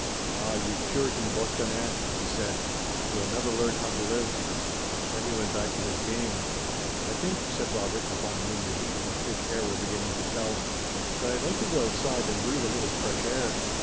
"Ah, you Puritan Bostonnais!" he said; "you'll never learn how to live." Then he went back to his game. "I think," said Robert, upon whom the heat and thick air were beginning to tell, "that I'd like to go outside and breathe a little fresh air."